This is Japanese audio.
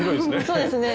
そうですね。